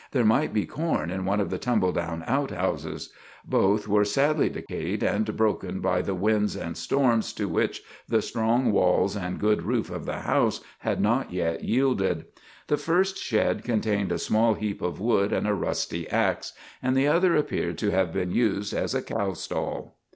There might be corn in one of the tumbledown outhouses. Both were sadly decayed and broken by the winds and storms to which the strong walls and good roof of the house had not yet yielded. The first shed contained a small heap of wood and a rusty ax, and the other appeared to have been used as a cow stall.